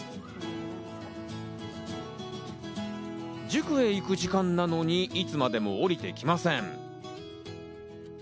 塾へ行く時間なのに、いつまでも下りてきません。